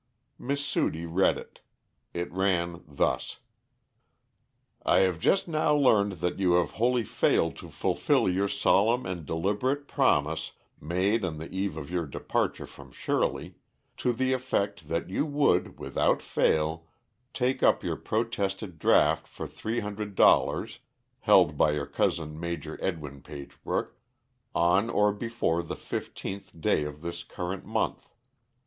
Miss Sudie read it. It ran thus: "I have just now learned that you have wholly failed to fulfill your solemn and deliberate promise, made on the eve of your departure from Shirley, to the effect that you would, without fail, take up your protested draft for three hundred dollars ($300), held by your Cousin Major Edwin Pagebrook, on or before the fifteenth (15th), day of this current month.